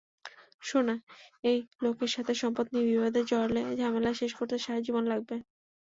সোনা, এই লোকের সাথে সম্পদ নিয়ে বিবাদে জড়ালে ঝামেলা শেষ করতে সারাজীবন লাগবে!